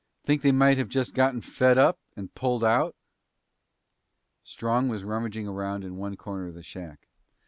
Think they might have just gotten fed up and pulled out?" Strong was rummaging around in one corner of the shack.